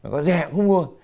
có rẻ không mua